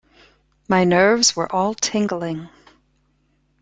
My nerves were all tingling.